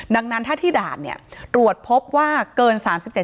ดังนั้นถ้าที่ด่านเนี่ยตรวจพบว่าเกิน๓๗